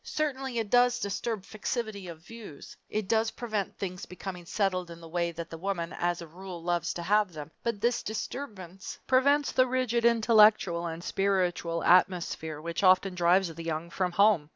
Certainly it does disturb fixity of views. It does prevent things becoming settled in the way that the woman, as a rule, loves to have them, but this disturbance prevents the rigid intellectual and spiritual atmosphere which often drives the young from home.